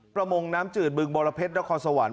ประมงน้ำจืดบึงบรพเจษย์ละครสวรรค์